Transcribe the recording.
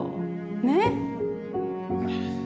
ねっ？